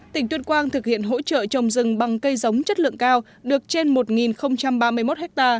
tỉnh tuyên quang thực hiện hỗ trợ trồng rừng bằng cây giống chất lượng cao được trên một ba mươi một ha